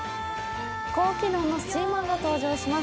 高機能のスチーマーが登場します。